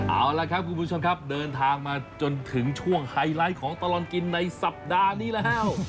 เอาละครับคุณผู้ชมครับเดินทางมาจนถึงช่วงไฮไลท์ของตลอดกินในสัปดาห์นี้แล้ว